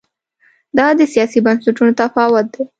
دا د سیاسي بنسټونو تفاوت دی.